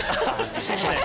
すいません。